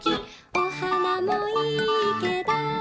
「お花もいいけど」